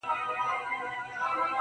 كه د زړه غوټه درته خلاصــه كــړمــــــه.